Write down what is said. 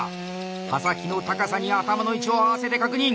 刃先の高さに頭の位置を合わせて確認！